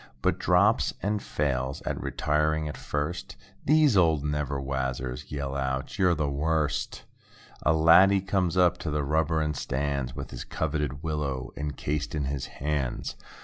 But drops it and fails at retiring at first. These old "never wazzers" yell out—"You're the worst." A laddie comes up to the rubber and stands With his coveted willow encased in his hands.